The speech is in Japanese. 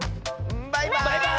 バイバーイ！